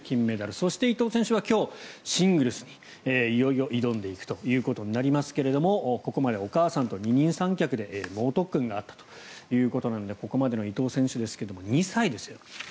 そして伊藤選手は今日、シングルスにいよいよ挑んでいくということになりますがここまでお母さんと二人三脚で猛特訓があったということなのでここまでの伊藤選手ですが２歳ですよ